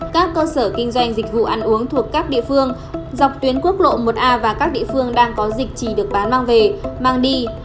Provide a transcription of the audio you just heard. các cơ sở kinh doanh dịch vụ ăn uống thuộc các địa phương dọc tuyến quốc lộ một a và các địa phương đang có dịch chỉ được bán mang về mang đi